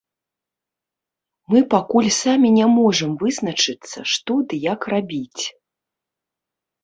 Мы пакуль самі не можам вызначыцца што ды як рабіць.